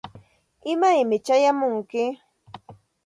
¿imaymi chayamunki?